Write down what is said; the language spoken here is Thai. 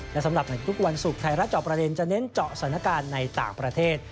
และสำหรับในทุกวันศุกร์ไทยรัฐจอบประเด็นจะเน้นเจาะสถานการณ์ในต่างประเทศ